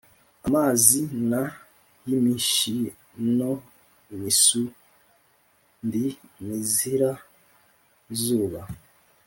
amaz.i na y'imish in o imisu n d i , imizira- zuba .